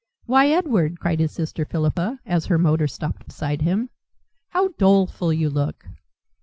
"Why, Edward," cried his sister, Philippa, as her motor stopped beside him, "how doleful you look!